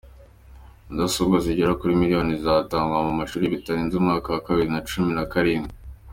Mudasobwa zigera kuri miliyoni zizatangwa mumashuri bitarenze umwaka wa bibiri na cumi nakarindwi